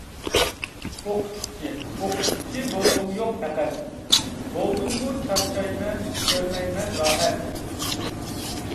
ئوقۇتقۇچى، ئوقۇتقۇچى بولغۇم يوق پەقەت، بولدۇممۇ چارچايمەن، كۆرمەيمەن راھەت.